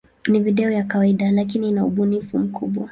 Ni video ya kawaida, lakini ina ubunifu mkubwa.